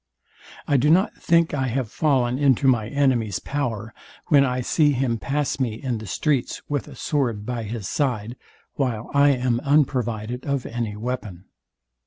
I do not think I have fallen into my enemy's power, when I see him pass me in the streets with a sword by his side, while I am unprovided of any weapon.